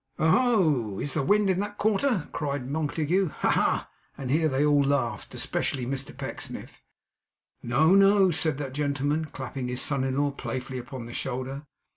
'Oho! Is the wind in that quarter?' cried Montague. 'Ha, ha, ha!' and here they all laughed especially Mr Pecksniff. 'No, no!' said that gentleman, clapping his son in law playfully upon the shoulder.